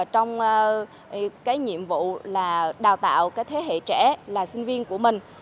trong nhiệm vụ là đào tạo thế hệ trẻ là sinh viên của mình